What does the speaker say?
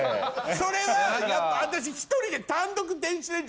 それは私１人で。